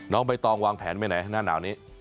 ใบตองวางแผนไปไหนหน้าหนาวนี้